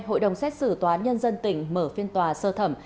hội đồng xét xử tòa án nhân dân tỉnh mở phiên tòa sơ thẩm